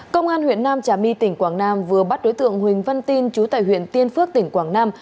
công an huyện nam trà my tỉnh quảng nam vừa bắt đối tượng huỳnh văn tin chú tại huyện tiên phước tỉnh quảng nam